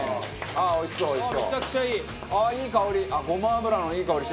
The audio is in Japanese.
ああいい香り。